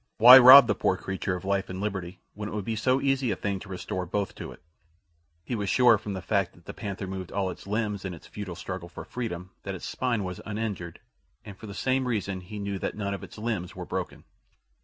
Why rob the poor creature of life and liberty, when it would be so easy a thing to restore both to it! He was sure from the fact that the panther moved all its limbs in its futile struggle for freedom that its spine was uninjured, and for the same reason he knew that none of its limbs were broken.